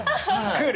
クール！